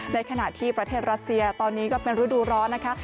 ในขณะที่ประเทศรัสเซียตอนนี้ก็เป็นฤดูร้อนนะคะ